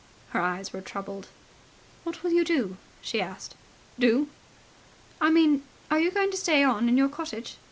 Her eyes were troubled. "What will you do?" she asked. "Do?" "I mean, are you going to stay on in your cottage?"